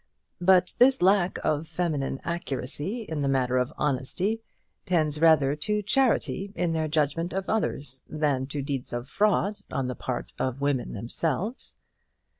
But this lack of feminine accuracy in the matter of honesty tends rather to charity in their judgment of others, than to deeds of fraud on the part of women themselves.